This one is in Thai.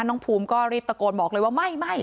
น้องภูมิรีบตะโกนไม่